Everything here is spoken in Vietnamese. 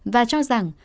và cho rằng